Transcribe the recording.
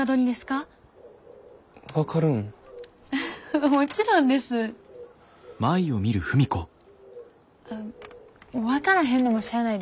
あ分からへんのもしゃあないです。